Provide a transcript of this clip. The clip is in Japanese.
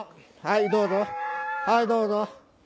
はいどうぞはいどうぞ。